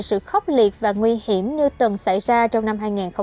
sự khốc liệt và nguy hiểm như từng xảy ra trong năm hai nghìn hai mươi